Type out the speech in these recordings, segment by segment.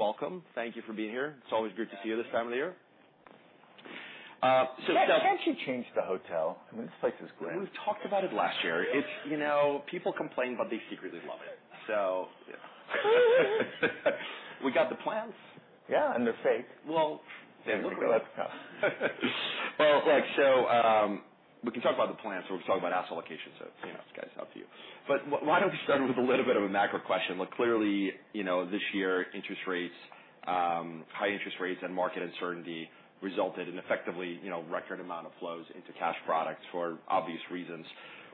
Welcome. Thank you for being here. It's always good to see you this time of the year. Can't, can't you change the hotel? I mean, this place is grim. We talked about it last year. It's, you know, people complain, but they secretly love it. So- Yeah. We got the plants. Yeah, and they're fake. Well, they look real. Well, like, so, we can talk about the plants, or we can talk about asset allocation, so, you know, it's guys, up to you. But why don't we start with a little bit of a macro question? Look, clearly, you know, this year, interest rates, high interest rates and market uncertainty resulted in effectively, you know, record amount of flows into cash products for obvious reasons.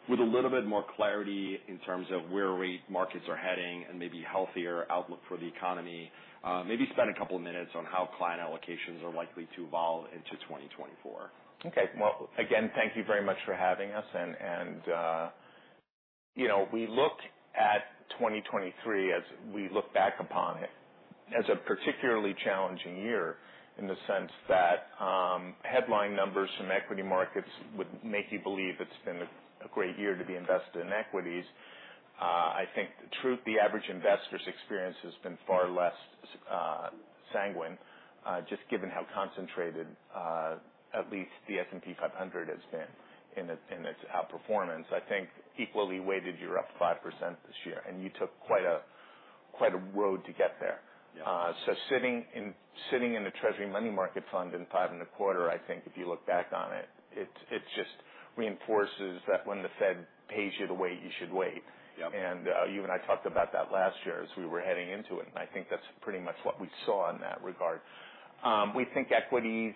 With a little bit more clarity in terms of where rate markets are heading and maybe healthier outlook for the economy, maybe spend a couple of minutes on how client allocations are likely to evolve into 2024. Okay. Well, again, thank you very much for having us. And you know, we look at 2023 as we look back upon it, as a particularly challenging year in the sense that headline numbers from equity markets would make you believe it's been a great year to be invested in equities. I think the truth, the average investor's experience has been far less sanguine, just given how concentrated at least the S&P 500 has been in its outperformance. I think equally weighted, you're up 5% this year, and you took quite a road to get there. Yeah. So sitting in the Treasury money market fund in 5.25, I think if you look back on it, it just reinforces that when the Fed pays you to wait, you should wait. Yep. And, you and I talked about that last year as we were heading into it, and I think that's pretty much what we saw in that regard. We think equities,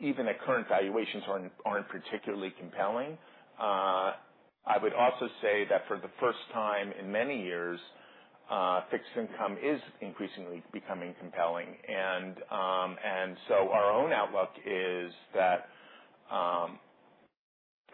even at current valuations, aren't particularly compelling. I would also say that for the first time in many years, fixed income is increasingly becoming compelling. And, and so our own outlook is that,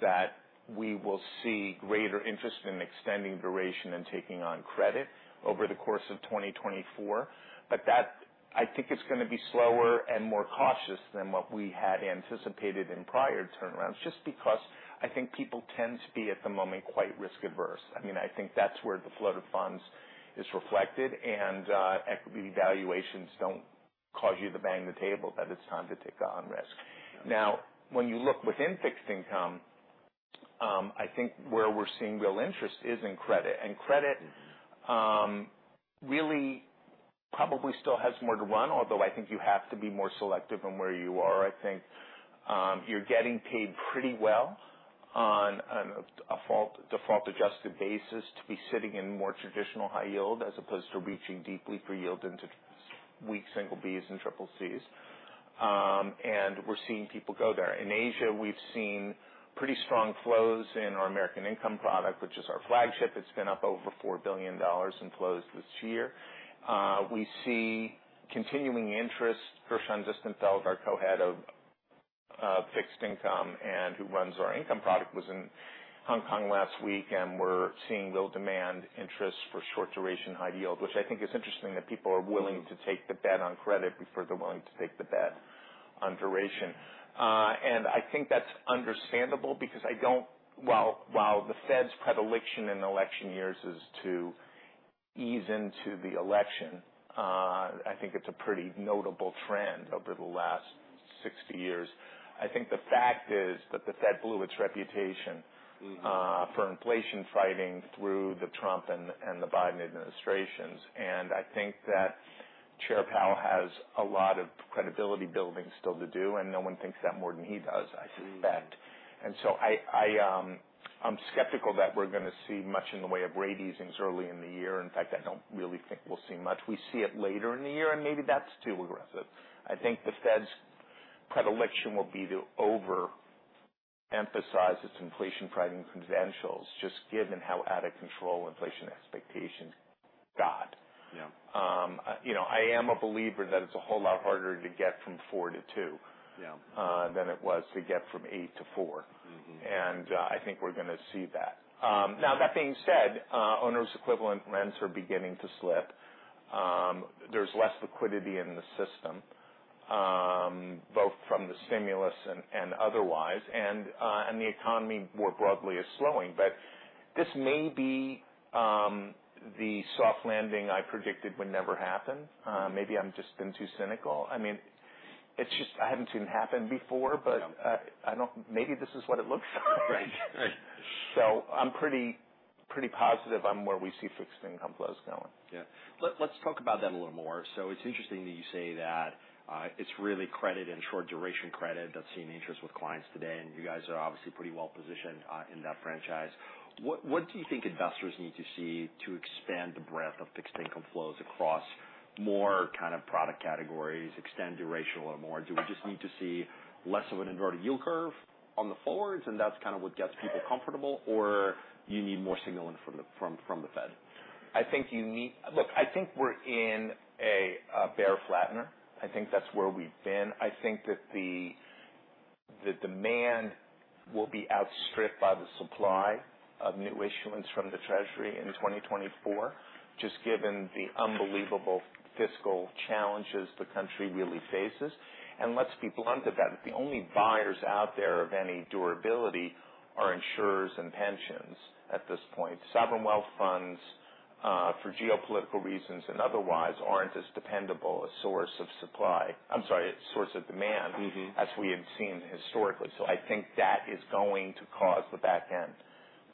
that we will see greater interest in extending duration, and taking on credit over the course of 2024. But that... I think it's gonna be slower and more cautious than what we had anticipated in prior turnarounds, just because I think people tend to be, at the moment, quite risk averse. I mean, I think that's where the flow of funds is reflected, and equity valuations don't cause you to bang the table, that it's time to take on risk. Now, when you look within fixed income, I think where we're seeing real interest is in credit. And credit really probably still has more to run, although I think you have to be more selective in where you are. I think you're getting paid pretty well on a default adjusted basis to be sitting in more traditional high yield, as opposed to reaching deeply for yield into weak single Bs and triple Cs. And we're seeing people go there. In Asia, we've seen pretty strong flows in our American Income product, which is our flagship. It's been up over $4 billion in flows this year. We see continuing interest. Gershon Distenfeld, our co-head of fixed income, and who runs our income product, was in Hong Kong last week, and we're seeing real demand interest for short duration, high yield. Which I think is interesting that people are willing to take the bet on credit before they're willing to take the bet on duration. And I think that's understandable because I don't... While the Fed's predilection in election years is to ease into the election, I think it's a pretty notable trend over the last 60 years. I think the fact is that the Fed blew its reputation- Mm-hmm for inflation fighting through the Trump and the Biden administrations. I think that Chair Powell has a lot of credibility building still to do, and no one thinks that more than he does, I think that. So I’m skeptical that we’re gonna see much in the way of rate easing early in the year. In fact, I don’t really think we’ll see much. We see it later in the year, and maybe that’s too aggressive. I think the Fed’s predilection will be to overemphasize its inflation fighting credentials, just given how out of control inflation expectations got. Yeah. you know, I am a believer that it's a whole lot harder to get from four to two- Yeah ... than it was to get from eight to four. Mm-hmm. And, I think we're gonna see that. Now, that being said, Owners' Equivalent Rents are beginning to slip. There's less liquidity in the system, both from the stimulus and otherwise, and the economy more broadly is slowing. But this may be the soft landing I predicted would never happen. Maybe I've just been too cynical. I mean, it's just I haven't seen it happen before, but- Yeah... I don't— Maybe this is what it looks like. Right. Right. I'm pretty, pretty positive on where we see fixed income flows going. Yeah. Let's talk about that a little more. So it's interesting that you say that, it's really credit, and short duration credit that's seeing interest with clients today, and you guys are obviously pretty well positioned in that franchise. What do you think investors need to see to expand the breadth of fixed income flows across more kind of product categories, extend duration a little more? Do we just need to see less of an inverted yield curve on the forwards, and that's kind of what gets people comfortable? Or you need more signaling from the Fed? I think you need... Look, I think we're in a bear flattener. I think that's where we've been. I think that the demand will be outstripped by the supply of new issuance from the Treasury in 2024, just given the unbelievable fiscal challenges the country really faces. And let's be blunt, that the only buyers out there of any durability are insurers and pensions at this point. Sovereign wealth funds-... for geopolitical reasons and otherwise aren't as dependable a source of supply. I'm sorry, a source of demand- Mm-hmm. as we have seen historically. So I think that is going to cause the back end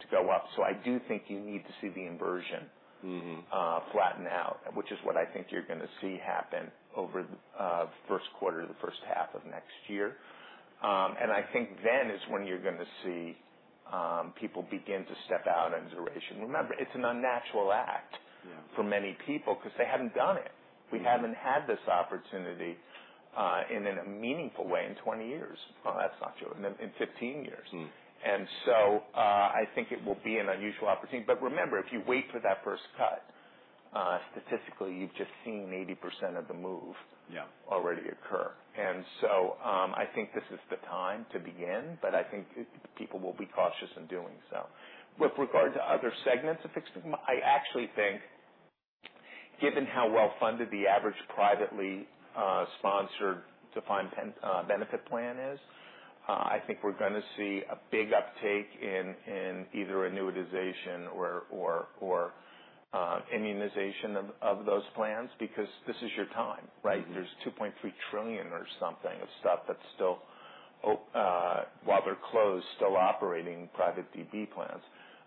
to go up. So I do think you need to see the inversion- Mm-hmm. flatten out, which is what I think you're going to see happen over the first quarter to the first half of next year. I think then is when you're going to see people begin to step out and duration. Remember, it's an unnatural act- Yeah for many people because they haven't done it. We haven't had this opportunity in a meaningful way in 20 years. Well, that's not true. In 15 years. Mm. I think it will be an unusual opportunity. Remember, if you wait for that first cut, statistically, you've just seen 80% of the move- Yeah already occur. So, I think this is the time to begin, but I think people will be cautious in doing so. With regard to other segments of fixed income, I actually think, given how well-funded the average privately sponsored defined benefit plan is, I think we're going to see a big uptake in either annuitization or immunization of those plans because this is your time, right? Mm-hmm. There's $2.3 trillion or something of stuff that's still, while they're closed, still operating private DB plans.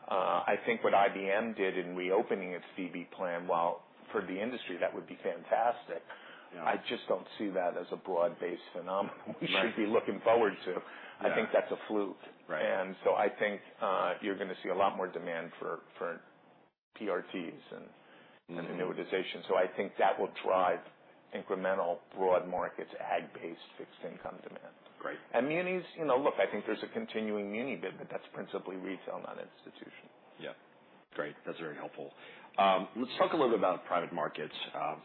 I think what IBM did in reopening its DB plan, while for the industry, that would be fantastic- Yeah ... I just don't see that as a broad-based phenomenon we should be looking forward to. Yeah. I think that's a fluke. Right. And so I think you're going to see a lot more demand for PRTs and annuitization. Mm-hmm. I think that will drive incremental broad markets, AB-based fixed income demand. Great. Munis, you know, look, I think there's a continuing muni bid, but that's principally retail, not institutional. Yeah. Great. That's very helpful. Let's talk a little bit about private markets.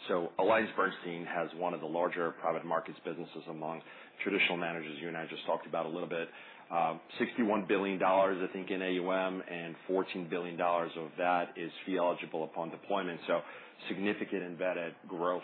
So AllianceBernstein has one of the larger private markets businesses among traditional managers, you and I just talked about a little bit. $61 billion, I think, in AUM, and $14 billion of that is fee eligible upon deployment. So significant embedded growth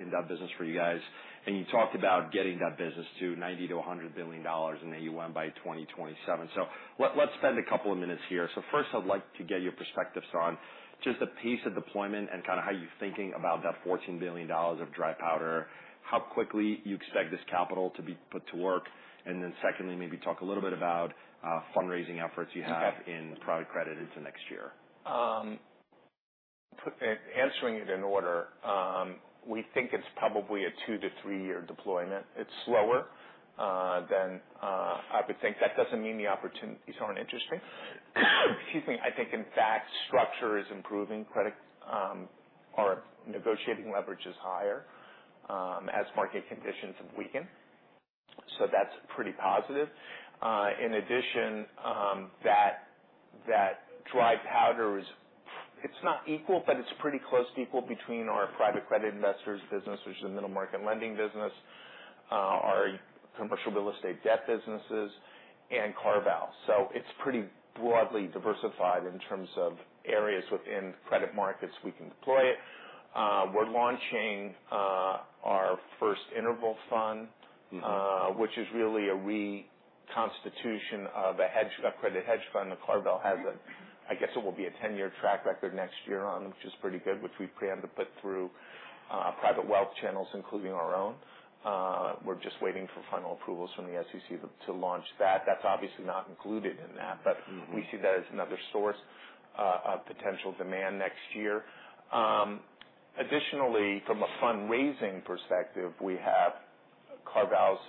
in that business for you guys. And you talked about getting that business to $90-$100 billion in AUM by 2027. So let's spend a couple of minutes here. So first, I'd like to get your perspectives on just the pace of deployment and kind of how you're thinking about that $14 billion of dry powder, how quickly you expect this capital to be put to work. And then secondly, maybe talk a little bit about fundraising efforts you have- Okay in private credit into next year. Answering it in order, we think it's probably a two to three year deployment. Sure. It's slower than I would think. That doesn't mean the opportunities aren't interesting. Excuse me. I think, in fact, structure is improving. Credit or negotiating leverage is higher as market conditions have weakened. So that's pretty positive. In addition, that dry powder is... It's not equal, but it's pretty close to equal between our private credit investors business, which is the middle market lending business, our commercial real estate debt businesses, and CarVal. So it's pretty broadly diversified in terms of areas within credit markets we can deploy it. We're launching our first interval fund- Mm-hmm... which is really a reconstitution of a hedge, a credit hedge fund. The CarVal has a, I guess, it will be a 10-year track record next year on, which is pretty good, which we plan to put through private wealth channels, including our own. We're just waiting for final approvals from the SEC to launch that. That's obviously not included in that. Mm-hmm. But we see that as another source of potential demand next year. Additionally, from a fundraising perspective, we have CarVal's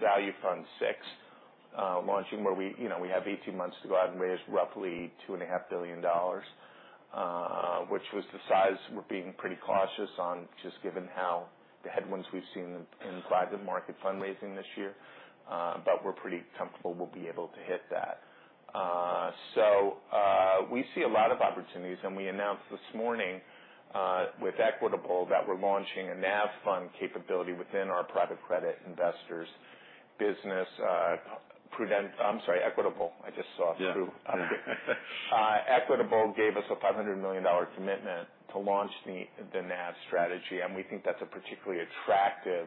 Value Fund VI launching, where you know, we have 18 months to go out and raise roughly $2.5 billion, which was the size. We're being pretty cautious on just given how the headwinds we've seen in private market fundraising this year. But we're pretty comfortable we'll be able to hit that. So, we see a lot of opportunities, and we announced this morning with Equitable that we're launching a NAV fund capability within our Private Credit Investors business. Prudent... I'm sorry, Equitable. I just saw through. Yeah. Equitable gave us a $500 million commitment to launch the NAV strategy, and we think that's a particularly attractive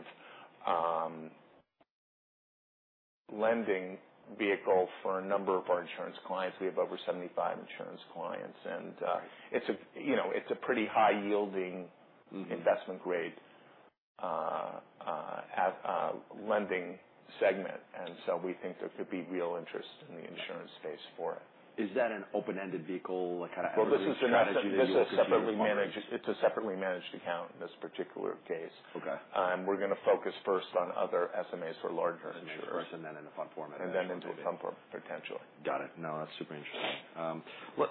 lending vehicle for a number of our insurance clients. We have over 75 insurance clients, and it's a, you know, it's a pretty high-yielding- Mm-hmm... investment-grade, lending segment. And so we think there could be real interest in the insurance space for it. Is that an open-ended vehicle, like kind of- Well, this is a separately managed- strategy? It's a separately managed account in this particular case. Okay. We're going to focus first on other SMAs for larger insurers. And then in a fund format. And then into a fund format, potentially. Got it. No, that's super interesting.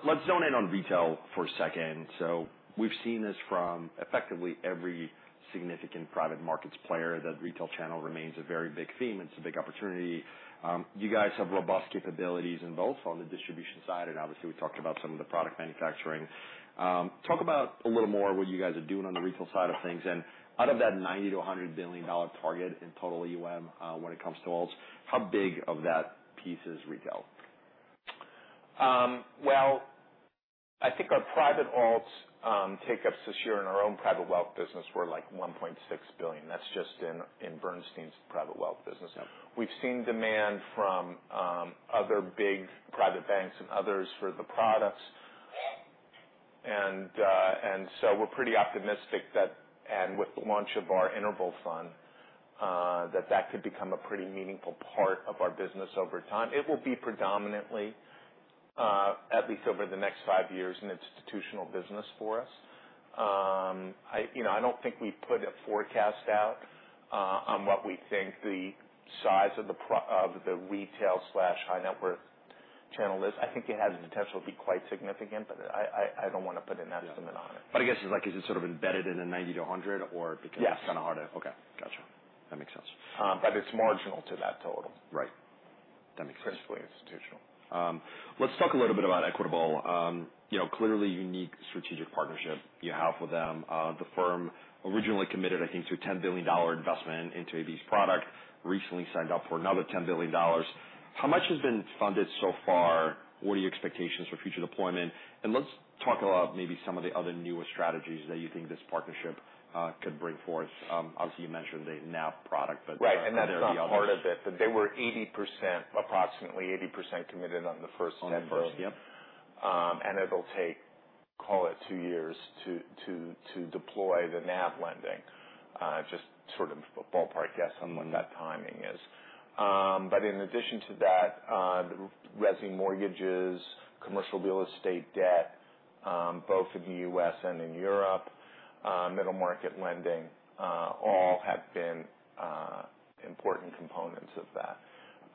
Let's zone in on retail for a second. So we've seen this from effectively every significant private markets player, that retail channel remains a very big theme. It's a big opportunity. You guys have robust capabilities in both on the distribution side, and obviously, we talked about some of the product manufacturing. Talk about a little more what you guys are doing on the retail side of things. And out of that $90 billion-$100 billion target in total AUM, when it comes to alts, how big of that piece is retail? Well, I think our private alts takeups this year in our own private wealth business were like $1.6 billion. That's just in, in Bernstein's private wealth business. We've seen demand from other big private banks and others for the products. And so we're pretty optimistic that with the launch of our interval fund that that could become a pretty meaningful part of our business over time. It will be predominantly at least over the next five years an institutional business for us. You know, I don't think we put a forecast out on what we think the size of the of the retail slash high net worth channel is. I think it has the potential to be quite significant, but I, I, I don't want to put an estimate on it. I guess it's like, is it sort of embedded in the 90-100 or because- Yes. Okay, got you. That makes sense. But it's marginal to that total. Right. That makes sense. Principally institutional. Let's talk a little bit about Equitable. You know, clearly unique strategic partnership you have with them. The firm originally committed, I think, to a $10 billion investment into these products, recently signed up for another $10 billion. How much has been funded so far? What are your expectations for future deployment? And let's talk about maybe some of the other newer strategies that you think this partnership could bring forth. Obviously, you mentioned the NAV product, but- Right, and that's not part of it, but they were 80%, approximately 80% committed on the first $10 billion. Yep. It'll take, call it two years to deploy the NAV Lending. Just sort of a ballpark guess on when that timing is. In addition to that, resi mortgages, commercial real estate debt, both in the U.S. and in Europe, Middle Market Lending, all have been important components of that.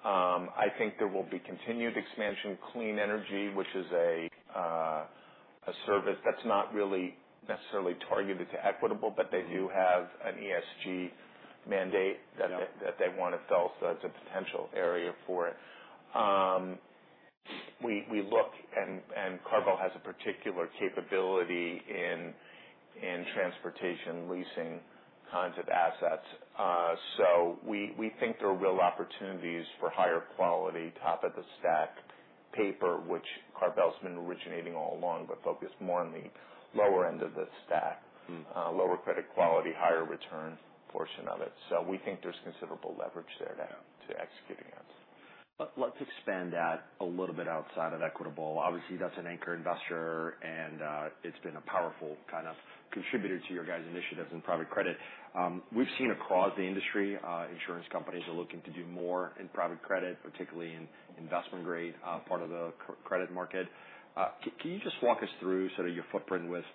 I think there will be continued expansion, clean energy, which is a service that's not really necessarily targeted to Equitable, but they do have an ESG mandate. Yeah that they want to fill, so that's a potential area for it. We look and CarVal has a particular capability in transportation, leasing kinds of assets. So we think there are real opportunities for higher quality, top of the stack paper, which CarVal's been originating all along, but focused more on the lower end of the stack. Mm-hmm. Lower credit quality, higher return portion of it. So we think there's considerable leverage there now to executing it. Let's expand that a little bit outside of Equitable. Obviously, that's an anchor investor, and it's been a powerful kind of contributor to your guys' initiatives in private credit. We've seen across the industry, insurance companies are looking to do more in private credit, particularly in investment grade part of the credit market. Can you just walk us through sort of your footprint with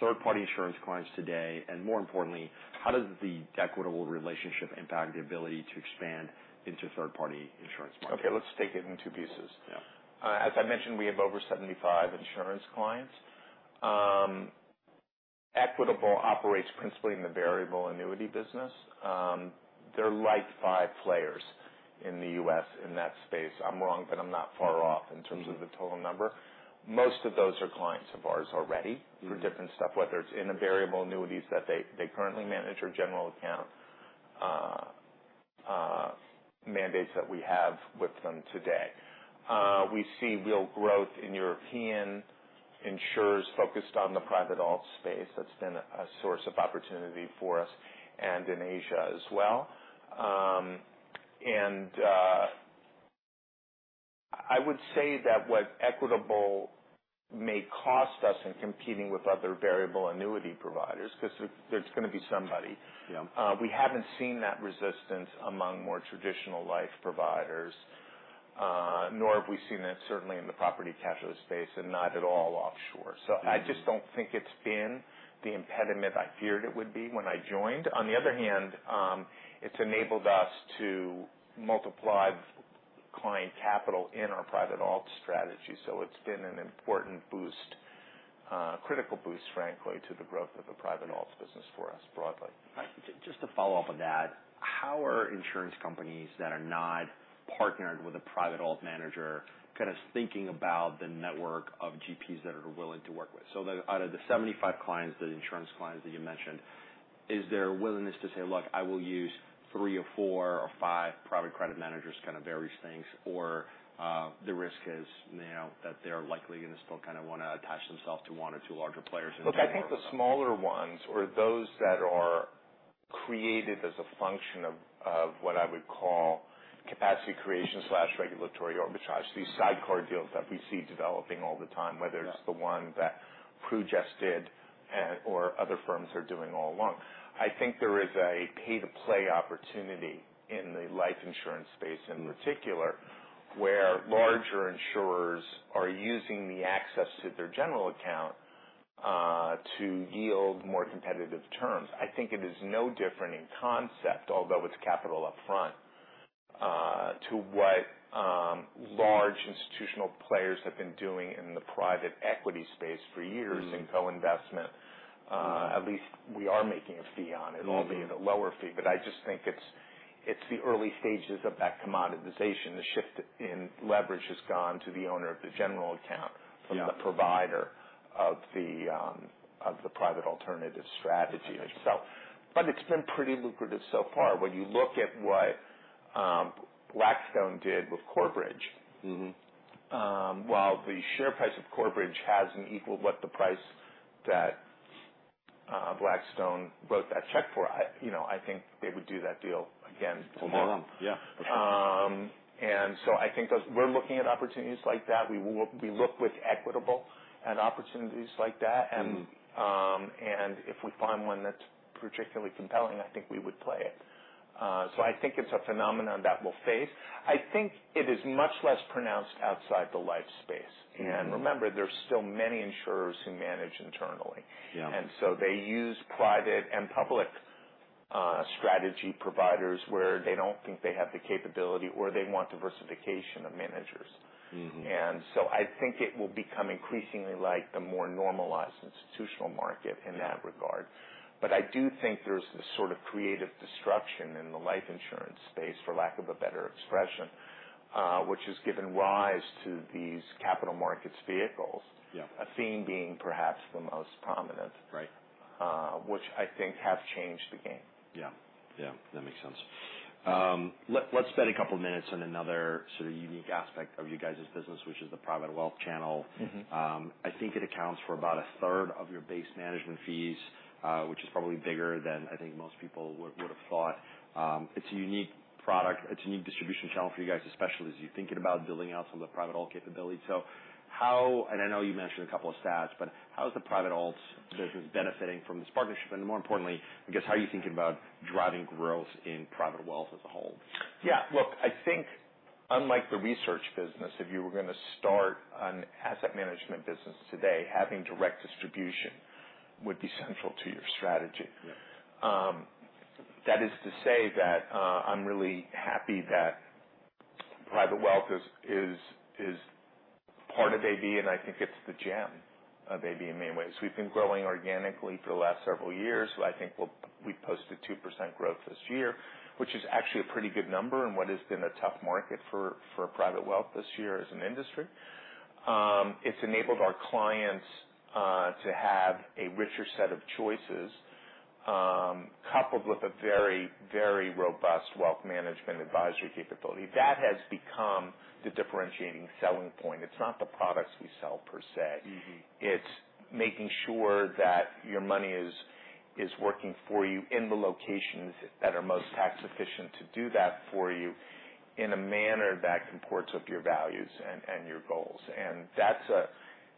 third-party insurance clients today? And more importantly, how does the Equitable relationship impact the ability to expand into third-party insurance market? Okay, let's take it in two pieces. Yeah. As I mentioned, we have over 75 insurance clients. Equitable operates principally in the variable annuity business. There are like five players in the U.S. in that space. I'm wrong, but I'm not far off in terms of the total number. Most of those are clients of ours already. Mm-hmm. -for different stuff, whether it's in the variable annuities that they, they currently manage, or general account mandates that we have with them today. We see real growth in European insurers focused on the private alt space. That's been a source of opportunity for us, and in Asia as well. I would say that what Equitable may cost us in competing with other variable annuity providers, 'cause there, there's gonna be somebody. Yeah. We haven't seen that resistance among more traditional life providers, nor have we seen that certainly in the property casualty space, and not at all offshore. Mm-hmm. So I just don't think it's been the impediment I feared it would be when I joined. On the other hand, it's enabled us to multiply client capital in our private alt strategy, so it's been an important boost, critical boost, frankly, to the growth of the private alts business for us broadly. Just to follow up on that, how are insurance companies that are not partnered with a private alt manager kind of thinking about the network of GPs that are willing to work with? So out of the 75 clients, the insurance clients that you mentioned, is there a willingness to say: Look, I will use three or four or five private credit managers, kind of various things, or the risk is now that they're likely going to still kind of want to attach themselves to one or two larger players? Look, I think the smaller ones or those that are created as a function of what I would call capacity creation slash regulatory arbitrage, these sidecar deals that we see developing all the time- Yeah -whether it's the one that Pru just did and or other firms are doing all along. I think there is a pay-to-play opportunity in the life insurance space in particular, where larger insurers are using the access to their general account to yield more competitive terms. I think it is no different in concept, although with capital upfront, to what large institutional players have been doing in the private equity space for years- Mm-hmm -in co-investment. At least we are making a fee on it- Mm-hmm albeit a lower fee, but I just think it's the early stages of that commoditization. The shift in leverage has gone to the owner of the general account- Yeah -from the provider of the, of the private alternative strategy itself. But it's been pretty lucrative so far. When you look at what Blackstone did with Corebridge. Mm-hmm. While the share price of Corebridge hasn't equaled what the price that Blackstone wrote that check for, I, you know, I think they would do that deal again tomorrow. All over, yeah. And so I think as we're looking at opportunities like that, we look with Equitable at opportunities like that. Mm-hmm. If we find one that's particularly compelling, I think we would play it. So I think it's a phenomenon that we'll face. I think it is much less pronounced outside the life space. Mm-hmm. Remember, there's still many insurers who manage internally. Yeah. And so they use private and public strategy providers where they don't think they have the capability or they want diversification of managers. Mm-hmm. So I think it will become increasingly like the more normalized institutional market in that regard. But I do think there's this sort of creative destruction in the life insurance space, for lack of a better expression, which has given rise to these capital markets vehicles. Yeah. Athene being perhaps the most prominent. Right. which I think have changed the game. Yeah. Yeah, that makes sense. Let's spend a couple minutes on another sort of unique aspect of you guys' business, which is the private wealth channel. Mm-hmm. I think it accounts for about a third of your base management fees, which is probably bigger than I think most people would have thought. It's a unique product. It's a unique distribution channel for you guys, especially as you're thinking about building out some of the private alts capabilities. So how... And I know you mentioned a couple of stats, but how is the private alts business benefiting from this partnership? And more importantly, I guess, how are you thinking about driving growth in private wealth as a whole? Yeah. Look, I think unlike the research business, if you were going to start an asset management business today, having direct distribution would be central to your strategy. Yeah. That is to say that, I'm really happy that private wealth is part of AB, and I think it's the gem of AB in many ways. We've been growing organically for the last several years. So I think we posted 2% growth this year, which is actually a pretty good number in what has been a tough market for private wealth this year as an industry. It's enabled our clients to have a richer set of choices, coupled with a very, very robust wealth management advisory capability. That has become the differentiating selling point. It's not the products we sell per se. Mm-hmm. It's making sure that your money is working for you in the locations that are most tax efficient to do that for you in a manner that comports with your values and your goals.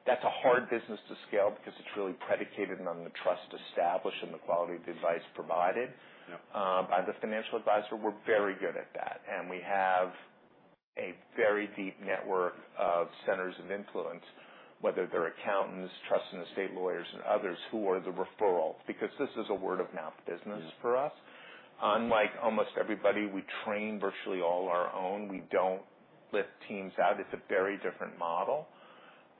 That's a hard business to scale because it's really predicated on the trust established and the quality of the advice provided. Yeah... by the financial advisor. We're very good at that, and we have a very deep network of centers of influence, whether they're accountants, trust and estate lawyers, and others who are the referral, because this is a word of mouth business for us. Mm-hmm. Unlike almost everybody, we train virtually all our own. We don't lift teams out. It's a very different model.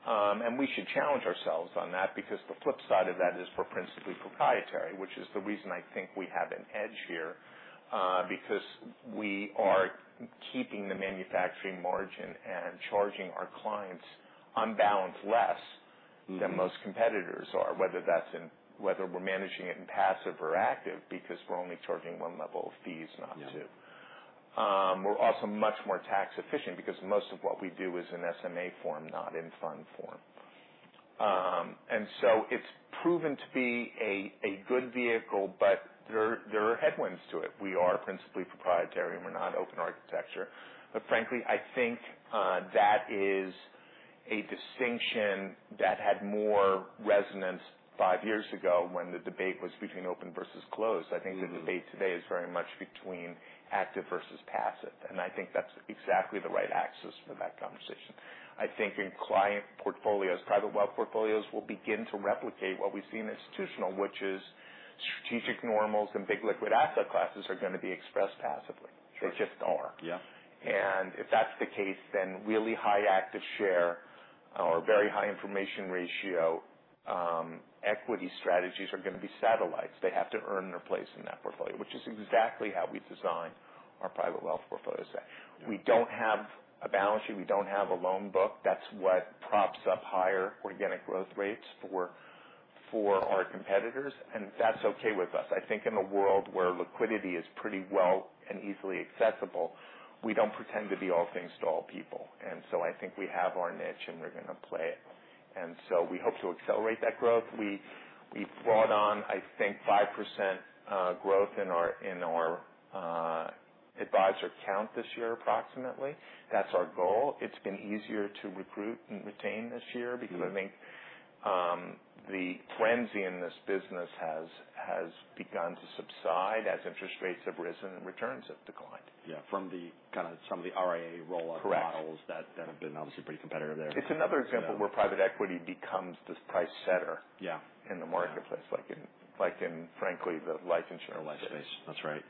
And we should challenge ourselves on that because the flip side of that is we're principally proprietary, which is the reason I think we have an edge here, because we are keeping the manufacturing margin and charging our clients on balance, less- Mm-hmm... than most competitors are. Whether that's whether we're managing it in passive or active, because we're only charging one level of fees, not two. Yeah. We're also much more tax efficient because most of what we do is in SMA form, not in fund form. And so it's proven to be a good vehicle, but there are headwinds to it. We are principally proprietary, and we're not open architecture. But frankly, I think that is a distinction that had more resonance five years ago when the debate was between open versus closed. Mm-hmm. I think the debate today is very much between active versus passive, and I think that's exactly the right axis for that conversation. I think in client portfolios, private wealth portfolios, will begin to replicate what we see in institutional, which is strategic normals and big liquid asset classes are going to be expressed passively. Sure. They just are. Yeah. If that's the case, then really high active share or very high information ratio equity strategies are going to be satellites. They have to earn their place in that portfolio, which is exactly how we design our private wealth portfolio. Yeah. We don't have a balance sheet. We don't have a loan book. That's what props up higher organic growth rates for, for our competitors, and that's okay with us. I think in a world where liquidity is pretty well, and easily accessible, we don't pretend to be all things to all people. And so I think we have our niche, and we're going to play it. And so we hope to accelerate that growth. We, we've brought on, I think, 5% growth in our advisor count this year, approximately. That's our goal. It's been easier to recruit and retain this year- Mm-hmm... because I think, the frenzy in this business has begun to subside as interest rates have risen and returns have declined. Yeah, from the RIA roll-up- Correct... models that have been obviously pretty competitive there. It's another example where private equity becomes this price setter- Yeah in the marketplace, frankly, the life insurance space. That's right.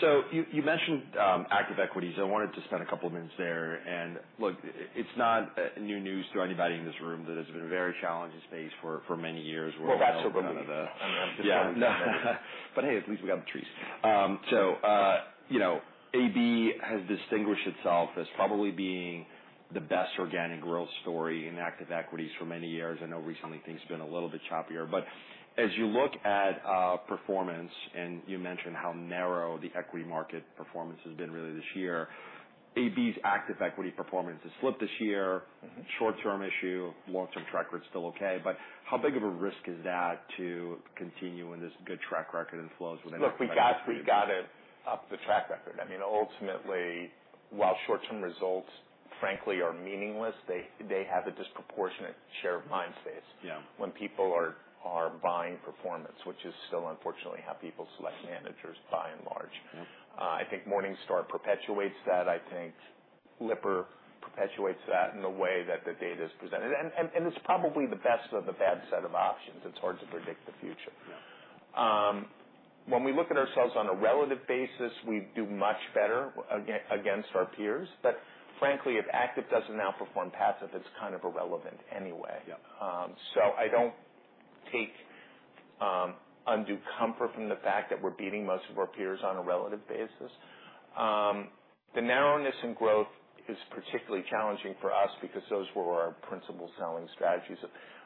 So you mentioned active equities. I wanted to spend a couple of minutes there. And look, it's not new news to anybody in this room that it's been a very challenging space for many years where- Well, that's- Yeah. But hey, at least we got the trees. So, you know, AB has distinguished itself as probably being the best organic growth story in active equities for many years. I know recently, things have been a little bit choppier. But as you look at performance, and you mentioned how narrow the equity market performance has been really this year... AB's active equity performance has slipped this year. Mm-hmm. Short-term issue, long-term track record is still okay, but how big of a risk is that to continue in this good track record and flows within- Look, we got it up the track record. I mean, ultimately, while short-term results, frankly, are meaningless, they have a disproportionate share of mind space- Yeah When people are buying performance, which is still, unfortunately, how people select managers, by and large. Yeah. I think Morningstar perpetuates that. I think Lipper perpetuates that in the way that the data is presented, and it's probably the best of the bad set of options. It's hard to predict the future. Yeah. When we look at ourselves on a relative basis, we do much better against our peers. But frankly, if active doesn't outperform passive, it's kind of irrelevant anyway. Yeah. So I don't take undue comfort from the fact that we're beating most of our peers on a relative basis. The narrowness in growth is particularly challenging for us because those were our principal selling strategies.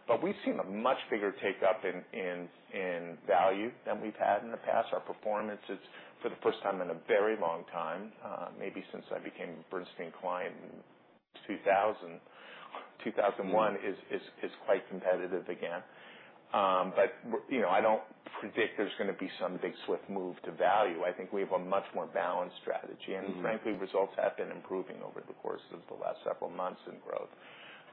But we've seen a much bigger take up in value than we've had in the past. Our performance is, for the first time in a very long time, maybe since I became Bernstein client in 2001- Mm is quite competitive again. But, you know, I don't predict there's gonna be some big swift move to value. I think we have a much more balanced strategy. Mm-hmm. Frankly, results have been improving over the course of the last several months in growth,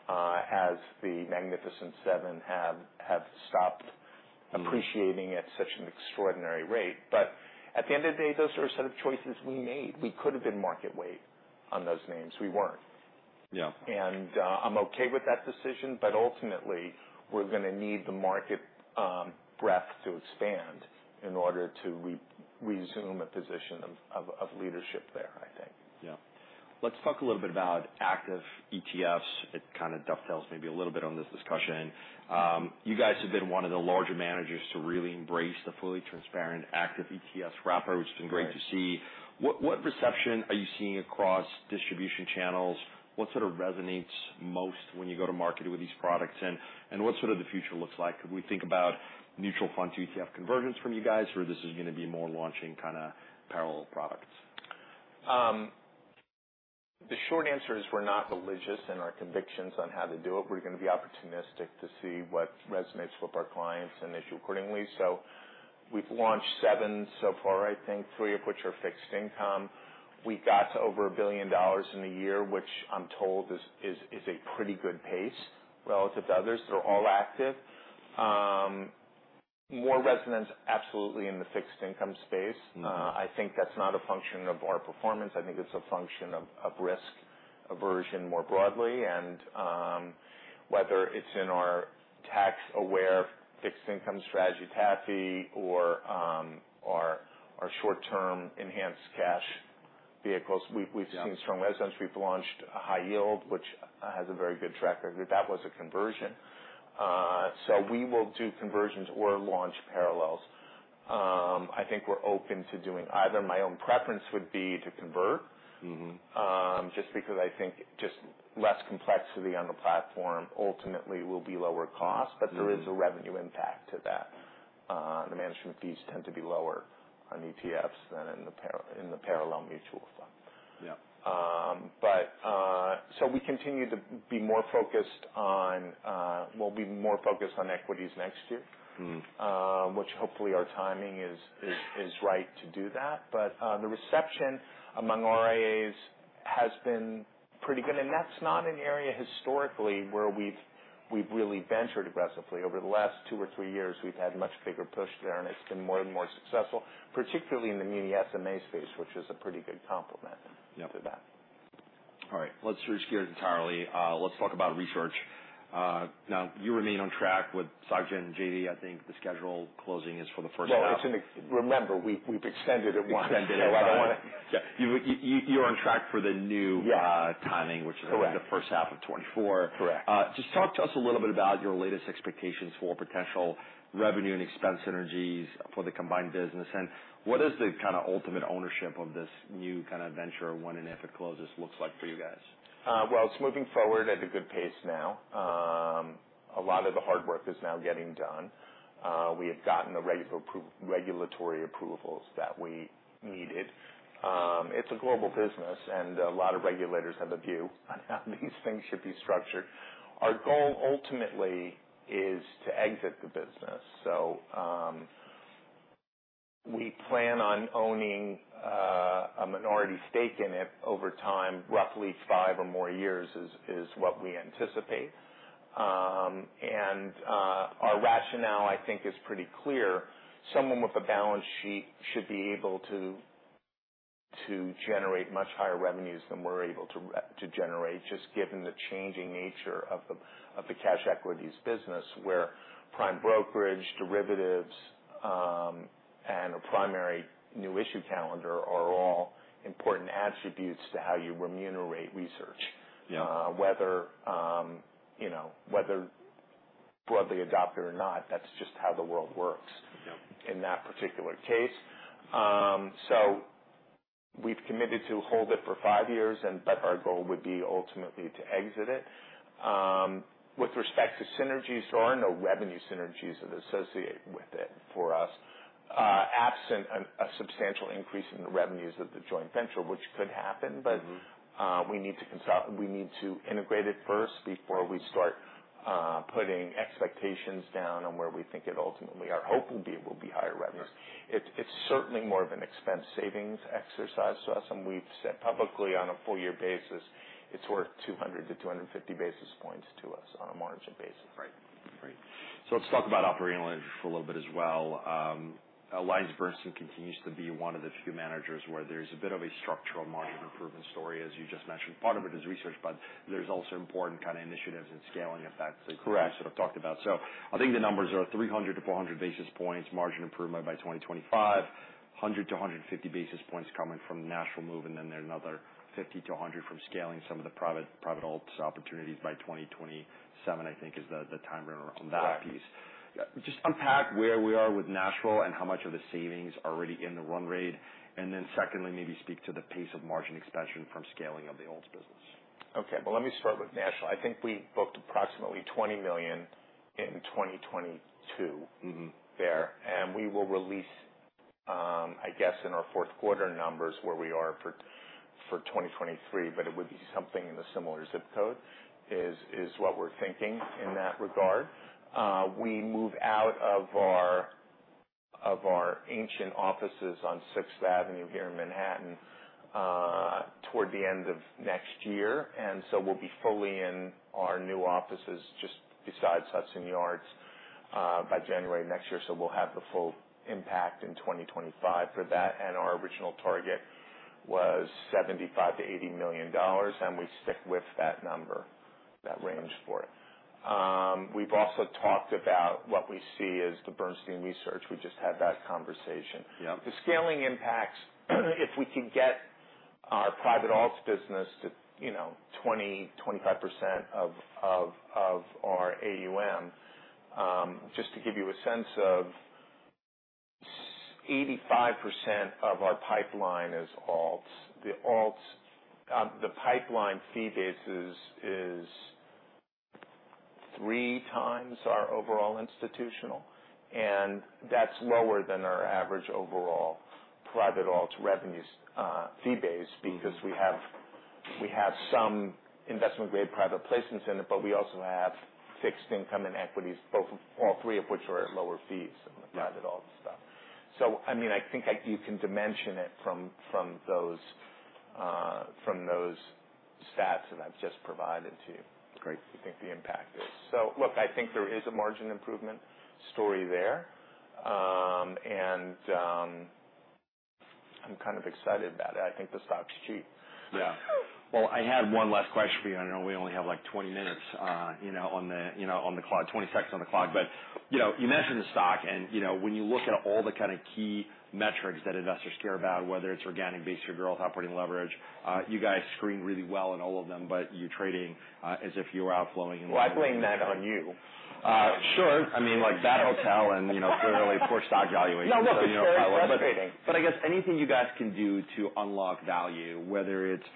as the Magnificent Seven have stopped- Mm Appreciating at such an extraordinary rate. But at the end of the day, those are a set of choices we made. We could have been market weight on those names. We weren't. Yeah. I'm okay with that decision, but ultimately, we're gonna need the market breadth to expand in order to re-resume a position of leadership there, I think. Yeah. Let's talk a little bit about active ETFs. It kind of dovetails maybe a little bit on this discussion. You guys have been one of the larger managers to really embrace the fully transparent, active ETFs wrapper- Right -which has been great to see. What, what reception are you seeing across distribution channels? What sort of resonates most when you go to market with these products? And, and what sort of the future looks like? Can we think about mutual fund to ETF convergence from you guys, or this is gonna be more launching kind of parallel products? The short answer is we're not religious in our convictions on how to do it. We're gonna be opportunistic to see what resonates with our clients and issue accordingly. So we've launched seven so far, I think three of which are fixed income. We got to over $1 billion in a year, which I'm told is a pretty good pace relative to others. They're all active. More resonance, absolutely, in the fixed income space. Mm. I think that's not a function of our performance. I think it's a function of risk aversion more broadly, and whether it's in our tax-aware fixed income strategy, TAFI, or our short-term enhanced cash vehicles. Yeah. We've seen strong resonance. We've launched a high yield, which has a very good track record. That was a conversion. So we will do conversions or launch parallels. I think we're open to doing either. My own preference would be to convert. Mm-hmm. Just because I think just less complexity on the platform ultimately will be lower cost. Mm. But there is a revenue impact to that. The management fees tend to be lower on ETFs than in the parallel mutual fund. Yeah. But, so we continue to be more focused on. We'll be more focused on equities next year. Mm. Which hopefully our timing is right to do that. But, the reception among RIAs has been pretty good, and that's not an area historically where we've really ventured aggressively. Over the last two or three years, we've had a much bigger push there, and it's been more and more successful, particularly in the mini SMA space, which is a pretty good complement- Yeah -to that. All right. Let's switch gears entirely. Let's talk about research. Now, you remain on track with SocGen and the JV. I think the schedule closing is for the first half. Well, it's in the... Remember, we've extended it once. Extended it. I don't wanna- Yeah. You're on track for the new- Yeah timing, which is- Correct the first half of 2024. Correct. Just talk to us a little bit about your latest expectations for potential revenue and expense synergies for the combined business? What is the kind of ultimate ownership of this new kind of venture when and if it closes, looks like for you guys? Well, it's moving forward at a good pace now. A lot of the hard work is now getting done. We have gotten the regulatory approvals that we needed. It's a global business, and a lot of regulators have a view on how these things should be structured. Our goal ultimately is to exit the business. So, we plan on owning a minority stake in it over time, roughly five or more years, is what we anticipate. And our rationale, I think, is pretty clear. Someone with a balance sheet should be able to generate much higher revenues than we're able to generate, just given the changing nature of the cash equities business, where prime brokerage, derivatives, and a primary new issue calendar are all important attributes to how you remunerate research. Yeah. You know, whether broadly adopted or not, that's just how the world works- Yeah In that particular case. So we've committed to hold it for five years, and but our goal would be ultimately to exit it. With respect to synergies, there are no revenue synergies that are associated with it for us. Absent a substantial increase in the revenues of the joint venture, which could happen. Mm-hmm. We need to consult, we need to integrate it first before we start putting expectations down on where we think it ultimately, or hope will be, will be higher revenues. Right. It's certainly more of an expense savings exercise to us, and we've said publicly on a full year basis, it's worth 200-250 basis points to us on a margin basis. Right. Right. So let's talk about operating leverage for a little bit as well. AllianceBernstein continues to be one of the few managers where there's a bit of a structural margin improvement story, as you just mentioned. Part of it is research, but there's also important kind of initiatives and scaling effects- Correct. As you sort of talked about. So I think the numbers are 300-400 basis points, margin improvement by 2025, 100-150 basis points coming from the national move, and then there's another 50-100 from scaling some of the private alts opportunities by 2027, I think, is the time frame on that piece. Right. Just unpack where we are with national and how much of the savings are already in the run rate. Secondly, maybe speak to the pace of margin expansion from scaling of the alts business. Okay, but let me start with national. I think we booked approximately $20 million in 2022- Mm-hmm. There, and we will release, I guess, in our fourth quarter numbers, where we are for 2023, but it would be something in a similar zip code, is what we're thinking in that regard. We move out of our ancient offices on Sixth Avenue here in Manhattan toward the end of next year. And so we'll be fully in our new offices just besides Hudson Yards by January next year, so we'll have the full impact in 2025 for that. And our original target was $75 million-$80 million, and we stick with that number, that range for it. We've also talked about what we see as the Bernstein Research. We just had that conversation. Yep. The scaling impacts, if we could get our private alts business to, you know, 20-25% of our AUM. Just to give you a sense of... 85% of our pipeline is alts. The alts pipeline fee base is three times our overall institutional, and that's lower than our average overall private alts revenues fee base. Because we have some investment-grade private placements in it, but we also have fixed income and equities, all three of which are at lower fees than the private alt stuff. Yeah. I mean, you can dimension it from those stats that I've just provided to you. Great. I think the impact is... So look, I think there is a margin improvement story there. I'm kind of excited about it. I think the stock's cheap. Yeah. Well, I had one last question for you. I know we only have, like, 20 minutes, you know, on the, you know, on the clock, 20 seconds on the clock. But, you know, you mentioned the stock, and, you know, when you look at all the kind of key metrics that investors care about, whether it's organic base or overall operating leverage, you guys screen really well in all of them, but you're trading as if you were outflowing and- Well, I blame that on you. Uh, sure. I mean, like, that hotel and, you know, fairly poor stock valuation. No, look- It's very frustrating. But I guess anything you guys can do to unlock value, whether it's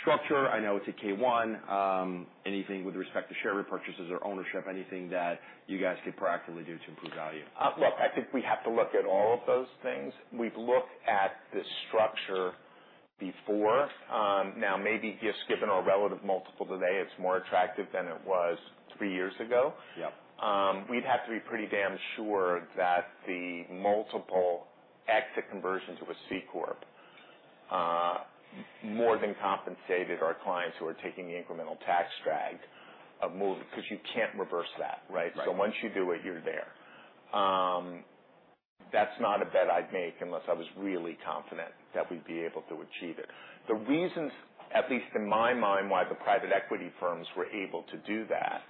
structure, I know it's a K-1, anything with respect to share repurchases or ownership, anything that you guys could proactively do to improve value? Look, I think we have to look at all of those things. We've looked at the structure before, now, maybe given our relative multiple today, it's more attractive than it was three years ago. Yep. We'd have to be pretty damn sure that the multiple exit conversions of a C-Corp more than compensated our clients who are taking the incremental tax drag of moving, because you can't reverse that, right? Right. So once you do it, you're there. That's not a bet I'd make unless I was really confident that we'd be able to achieve it. The reasons, at least in my mind, why the private equity firms were able to do that,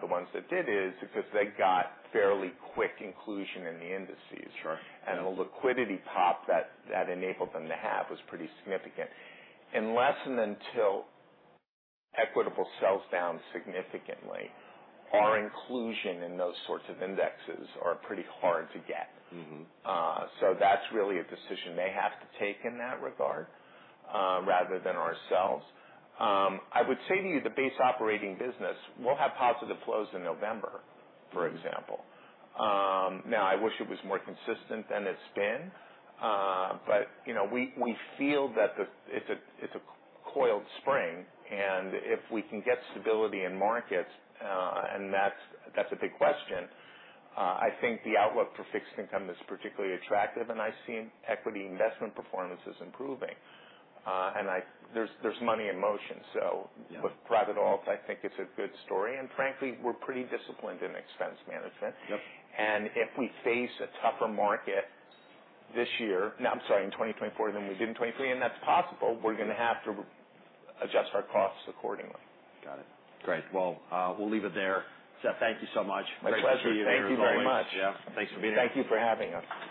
the ones that did is because they got fairly quick inclusion in the indices. Sure. The liquidity pop that enabled them to have was pretty significant. Unless and until Equitable sells down significantly, our inclusion in those sorts of indexes are pretty hard to get. Mm-hmm. So that's really a decision they have to take in that regard, rather than ourselves. I would say to you, the base operating business will have positive flows in November, for example. Now, I wish it was more consistent than it's been, but, you know, we feel that it's a coiled spring, and if we can get stability in markets, and that's a big question, I think the outlook for fixed income is particularly attractive, and I see equity investment performance is improving. And there's money in motion. Yeah. So with private alts, I think it's a good story. Frankly, we're pretty disciplined in expense management. Yep. If we face a tougher market this year... No, I'm sorry, in 2024 than we did in 2023, and that's possible, we're going to have to adjust our costs accordingly. Got it. Great. Well, we'll leave it there. Seth, thank you so much. My pleasure. Great to see you here, as always. Thank you very much. Yeah. Thanks for being here. Thank you for having us.